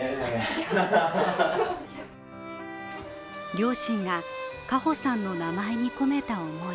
両親が花保さんの名前に込めた思い。